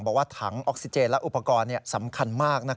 บอกว่าถังออกซิเจนและอุปกรณ์สำคัญมาก